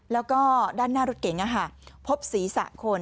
แล้วก็ด้านหน้ารถเก๋งพบศีรษะคน